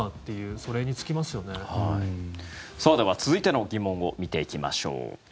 それでは、続いての疑問を見ていきましょう。